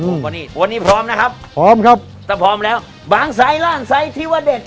โหบนี้วันนี้พร้อมนะครับพร้อมครับแต่พร้อมแล้วบางทรายล่านทรายที่ว่าเด็ด